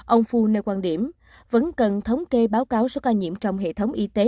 ông fu nêu quan điểm vẫn cần thống kê báo cáo số ca nhiễm trong hệ thống y tế